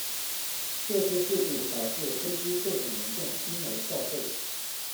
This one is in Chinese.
这次事故导致飞机受损严重因而报废。